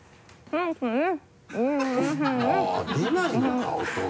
うん。